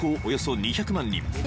およそ２００万人